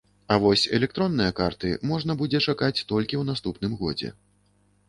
А вось электронныя карты можна будзе чакаць толькі ў наступным годзе.